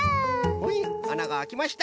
ほいあながあきました。